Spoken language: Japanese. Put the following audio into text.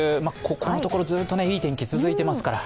ここのところずっといい天気が続いていますから。